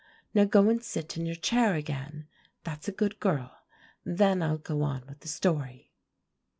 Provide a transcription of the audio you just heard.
Now go and sit in your chair again, that's a good girl, then I'll go on with the story."